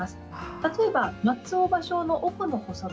例えば、松尾芭蕉の「奥の細道」